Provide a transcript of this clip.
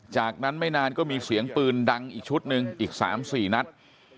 จากนั้นไม่นานก็มีเสียงปืนดังอีกชุดหนึ่งอีก๓๔นัด